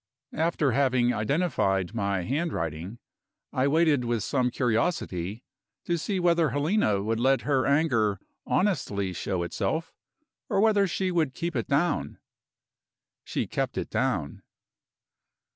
After having identified my handwriting, I waited with some curiosity to see whether Helena would let her anger honestly show itself, or whether she would keep it down. She kept it down.